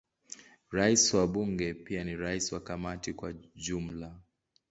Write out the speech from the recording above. Rais wa Bunge pia ni rais wa Kamati kwa ujumla.